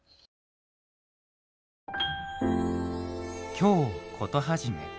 「京コトはじめ」